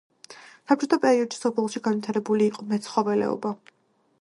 საბჭოთა პერიოდში სოფელში განვითარებული იყო მეცხოველეობა.